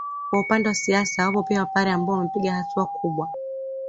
Kwa upande wa siasa wapo pia Wapare ambao wamepiga hatua kubwa